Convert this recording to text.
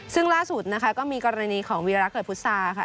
ซึ่งล่าสุดก็มีกรณีของวิรักษ์เหลือพุทธศาสตร์